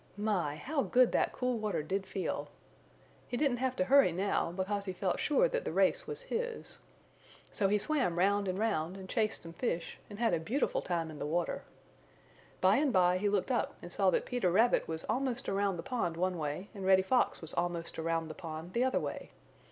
My! How good that cool water did feel! He didn't have to hurry now, because he felt sure that the race was his. So he swam round and round and chased some fish and had a beautiful time in the water. By and by he looked up and saw that Peter Rabbit was almost around the pond one way and Reddy Fox was almost around the pond the other way.